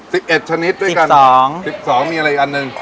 สิบเอ็ดชนิดด้วยกันสองสิบสองมีอะไรอีกอันหนึ่ง